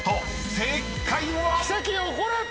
正解は⁉］